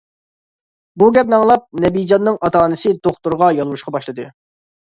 بۇ گەپنى ئاڭلاپ نەبىجاننىڭ ئاتا-ئانىسى دوختۇرغا يالۋۇرۇشقا باشلىدى.